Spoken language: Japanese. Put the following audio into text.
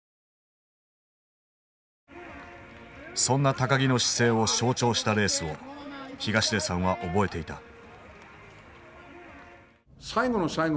そんな木の姿勢を象徴したレースを東出さんは覚えていた。